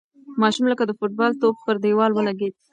ماشوم لکه د فوټبال توپ پر دېوال ولگېد.